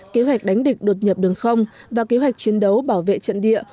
kế hoạch đánh địch đột nhập đường không và kế hoạch chiến đấu bảo vệ trận địa